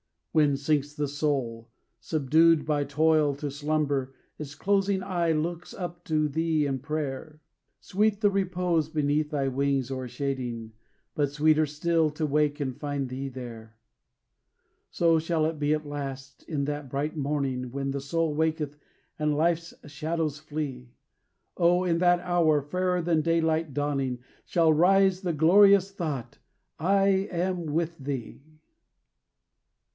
When sinks the soul, subdued by toil, to slumber, Its closing eye looks up to thee in prayer, Sweet the repose beneath thy wings o'ershading, But sweeter still to wake and find thee there. So shall it be at last, in that bright morning When the soul waketh and life's shadows flee; O, in that hour, fairer than daylight dawning, Shall rise the glorious thought, I am with thee!